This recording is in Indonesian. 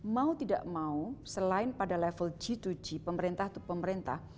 mau tidak mau selain pada level g dua g pemerintah atau pemerintah